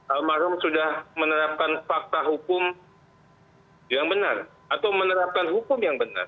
almarhum sudah menerapkan fakta hukum yang benar atau menerapkan hukum yang benar